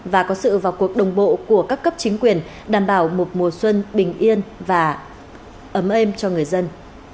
và có sự vào cuộc đồng bộ của các cấp chính quyền đảm bảo một mùa xuân bình yên và ấm êm cho người dân